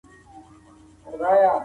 ملتونو به کارګرانو ته د کار حق ورکاوه.